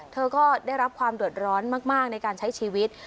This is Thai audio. เธอก็ได้รับความเดือดร้อนมากในการใช้ชีวิต